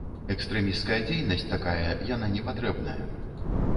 Экстрэмісцкая дзейнасць такая, яна не патрэбная.